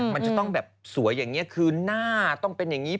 มันจะต้องแบบสวยอย่างนี้คือหน้าต้องเป็นอย่างนี้